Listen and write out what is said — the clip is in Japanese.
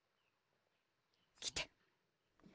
来て。